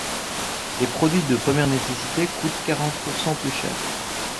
Les produits de première nécessité coûtent quarante pourcent plus cher.